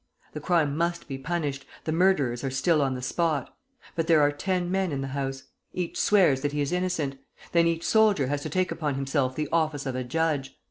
The crime must be punished, the murderers are still on the spot; but there are ten men in the house. Each swears that he is innocent. Then each soldier has to take upon himself the office of a judge.